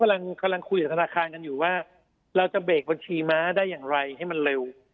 กำลังคุยกับธนาคารกันอยู่ว่าเราจะเบรกบัญชีม้าได้อย่างไรให้มันเร็ว